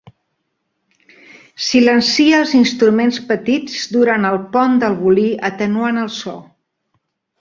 Silencia els instruments petits durant el pont del volí atenuant el so.